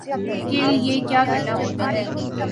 کے لیے کیا کرنا ہوتا ہے